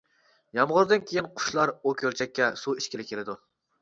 يامغۇردىن كېيىن قۇشلار ئۇ كۆلچەككە سۇ ئىچكىلى كېلىدۇ.